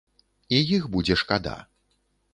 І іх будзе шкада.